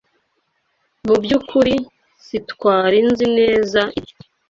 Mu byukuri sitwari nzi neza ibyo.